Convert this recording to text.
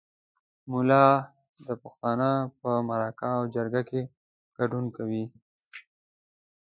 ملا د پښتانه په مرکه او جرګه کې ګډون کوي.